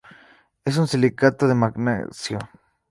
Es un silicato de manganeso.